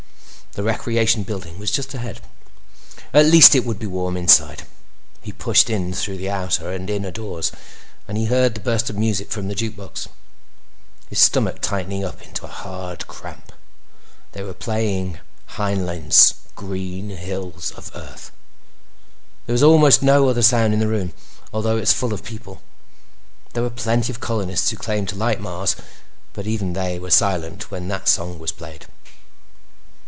The Recreation Building was just ahead; at least it would be warm inside. He pushed in through the outer and inner doors, and he heard the burst of music from the jukebox. His stomach tightened up into a hard cramp. They were playing Heinlein's Green Hills of Earth. There was almost no other sound in the room, although it was full of people. There were plenty of colonists who claimed to like Mars, but even they were silent when that song was played.